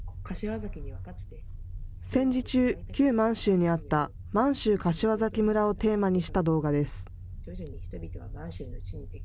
戦時中、旧満州にあった満州柏崎村をテーマにした動画です。